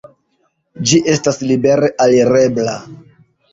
Ĝi estas libere alirebla.